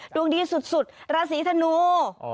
ดวงดีสุดราศีธนู